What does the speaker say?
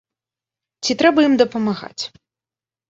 Ці трэба ім дапамагаць?